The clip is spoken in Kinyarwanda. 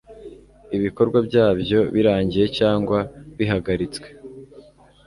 ibikorwa byabyo birangiye cyangwa bihagaritswe